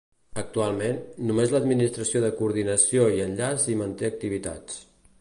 Actualment, només l'Administració de Coordinació i Enllaç hi manté activitats.